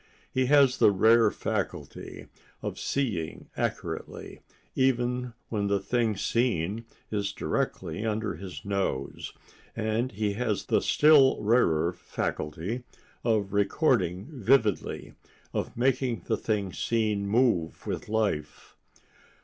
He has the rare faculty of seeing accurately, even when the thing seen is directly under his nose, and he has the still rarer faculty of recording vividly, of making the thing seen move with life.